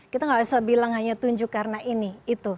kita nggak usah bilang hanya tunjuk karena ini itu